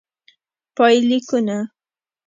پایلیکونه: